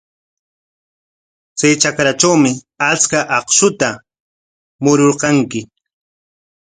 Chay trakratrawmi achka akshuta mururqanki.